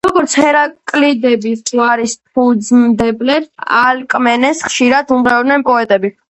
როგორც ჰერაკლიდების გვარის ფუძემდებელს, ალკმენეს ხშირად უმღეროდნენ პოეტები.